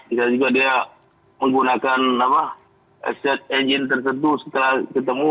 bisa juga dia menggunakan aset engine tersentuh setelah ketemu